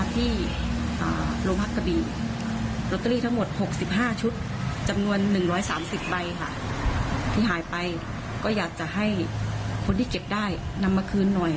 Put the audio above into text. ที่หายไปก็อยากจะให้คนที่เก็บได้นำมาคืนหน่อย